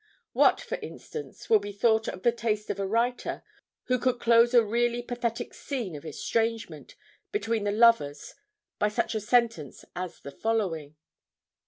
What, for instance, will be thought of the taste of a writer who could close a really pathetic scene of estrangement between the lovers by such a sentence as the following?...'